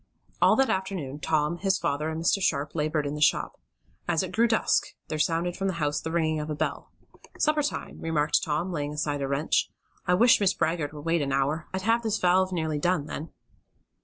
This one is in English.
All that afternoon Tom, his father and Mr. Sharp labored in the shop. As it grew dusk there sounded from the house the ringing of a bell. "Supper time," remarked Tom, laying aside a wrench. "I wish Mrs. Baggert would wait about an hour. I'd have this valve nearly done, then."